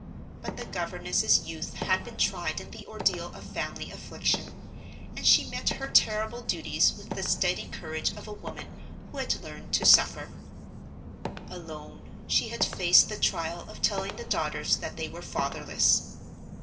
But the governess's youth had been tried in the ordeal of family affliction; and she met her terrible duties with the steady courage of a woman who had learned to suffer. Alone, she had faced the trial of telling the daughters that they were fatherless.